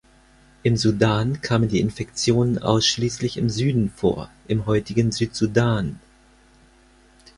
Im Sudan kamen die Infektionen ausschließlich im Süden vor, im heutigen Südsudan.